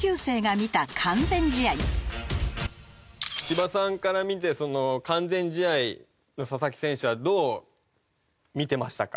千葉さんから見てその完全試合の佐々木選手はどう見てましたか？